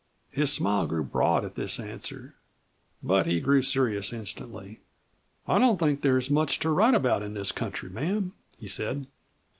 His smile grew broad at this answer. But he grew serious instantly. "I don't think there is much to write about in this country, ma'am," he said.